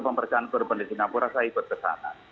pemeriksaan korban di sinapura saya ikut kesana